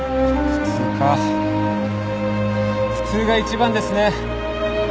普通が一番ですね。